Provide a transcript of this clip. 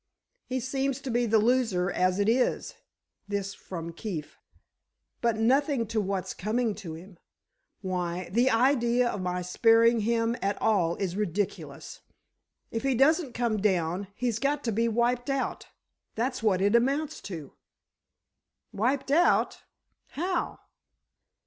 "He seems to be the loser, as it is." This from Keefe. "But nothing to what's coming to him! Why, the idea of my sparing him at all is ridiculous! If he doesn't come down, he's got to be wiped out! That's what it amounts to!" "Wiped out—how?"